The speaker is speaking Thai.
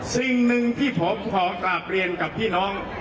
สิ่งหนึ่งที่ผมขอกราบเรียนกับพี่น้อง